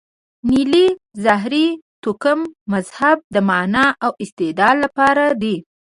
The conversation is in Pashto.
نیلې، زهیر، توکم، مهذب د معنا او استعمال لپاره دي.